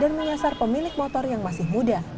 dan menyasar pemilik motor yang masih muda